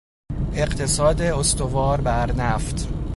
اقتصاد استوار بر نفت